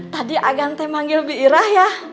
tadi agan teh manggil biirah ya